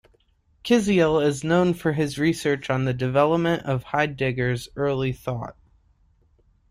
Kisiel is known for his research on the development of Heidegger's early thought.